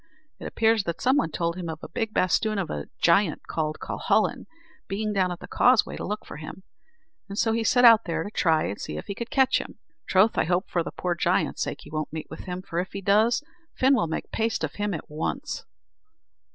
It appears that some one told him of a big basthoon of a giant called Cuhullin being down at the Causeway to look for him, and so he set out there to try if he could catch him. Troth, I hope, for the poor giant's sake, he won't meet with him, for if he does, Fin will make paste of him at once."